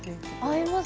合います。